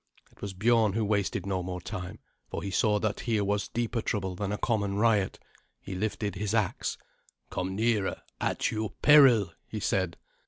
It was Biorn who wasted no more time, for he saw that here was deeper trouble than a common riot. He lifted his axe. "Come nearer at your peril," he said.